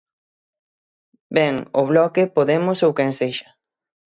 Ben, o Bloque, Podemos ou quen sexa.